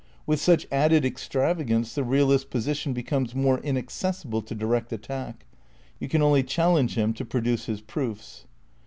With each added extravagance the realist's position becomes more inaccessible to direct attack. You can only chal lenge him to produce his proofs.